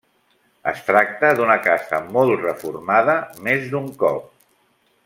Es tracta d'una casa molt reformada més d'un cop.